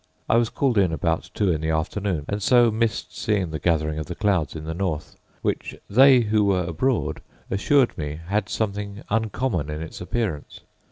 I was called in about two in the afternoon, and so missed seeing the gathering of the clouds in the north; which they who were abroad assured me had something uncommon in its appearance.